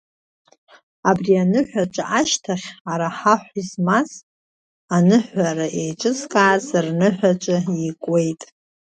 Абри аныҳәаҿа ашьҭахь араҳахә змаз, ахныҳәара еиҿызкааз рныҳәаҿа икуеит.